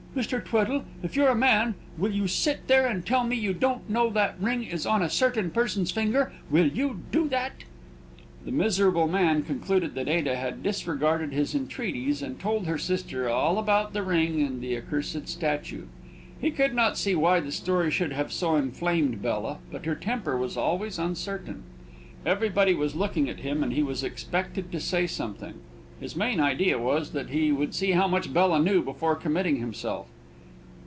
Mr. Tweddle, if you're a man, will you sit there and tell me you don't know that that ring is on a certain person's finger? Will you do that?" [Illustration: HER HANDS WERE UNSTEADY WITH PASSION AS SHE TIED HER BONNET STRINGS.] The miserable man concluded that Ada had disregarded his entreaties, and told her sister all about the ring and the accursed statue. He could not see why the story should have so inflamed Bella; but her temper was always uncertain. Everybody was looking at him, and he was expected to say something. His main idea was, that he would see how much Bella knew before committing himself.